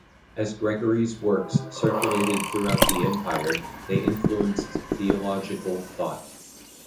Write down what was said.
As Gregory's works circulated throughout the empire they influenced theological thought.